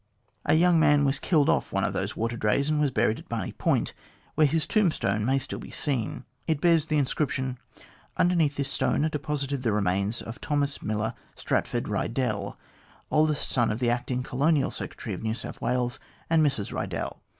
A young man was killed off one of those water drays, and was buried at Barney Point, where his tombstone may still be seen. It bears the inscription :' Underneath this stone are deposited the remains of Thomas Miller Stratford Kiddell, eldest son of the Acting Colonial Secretary of New South Wales, and Mrs Riddell.